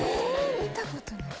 見たことない。